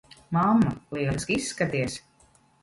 Mamma, lieliski izskaties.